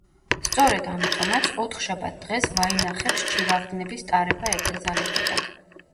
სწორედ ამიტომაც, ოთხშაბათ დღეს ვაინახებს ჩირაღდნების ტარება ეკრძალებოდათ.